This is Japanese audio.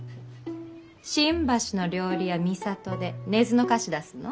新橋の料理屋巳佐登で根津の菓子出すの？